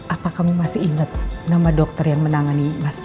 apa kamu masih inget nama dokter yang menangani mas jaka saat itu